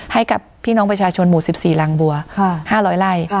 ให้กับพี่น้องประชาชนหมู่๑๔รังบัว๕๐๐ไร่